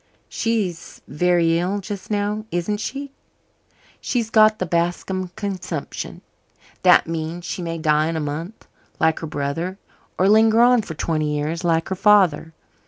"She's very ill just now, isn't she?" "She's got the Bascom consumption. That means she may die in a month, like her brother, or linger on for twenty years, like her father.